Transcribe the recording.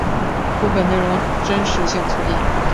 部分内容真实性存疑。